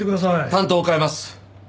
担当を代えます。